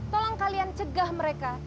tolong kalian cegah mereka